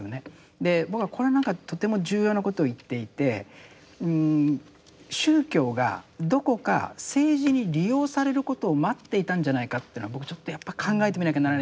で僕はこれなんかとても重要なことを言っていて宗教がどこか政治に利用されることを待っていたんじゃないかっていうのは僕ちょっとやっぱ考えてみなきゃならない